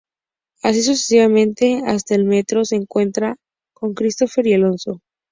Así sucesivamente, hasta el metro, se encuentra con Christopher y Alfonso.